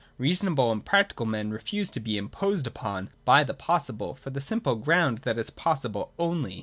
Reasonable and practical men refuse to be imposed upon by the possible, for the simple ground that it is possible only.